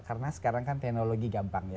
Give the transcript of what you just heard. karena sekarang kan teknologi gampang ya